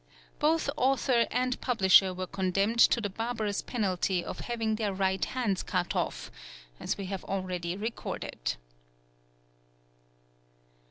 Both author and publisher were condemned to the barbarous penalty of having their right hands cut off, as we have already recorded.